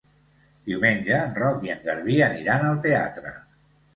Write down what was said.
Diumenge en Roc i en Garbí aniran al teatre.